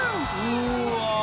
うわ！